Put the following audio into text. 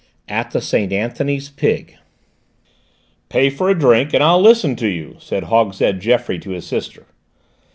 AT THE SAINT ANTHONY'S PIG "Pay for a drink, and I'll listen to you," said Hogshead Geoffroy to his sister.